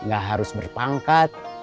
gak harus berpangkat